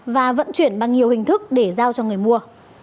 và vận chuyển bằng nhiều hình thức để giao cho người mua